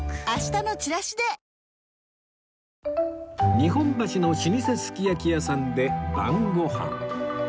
日本橋の老舗すき焼き屋さんで晩ご飯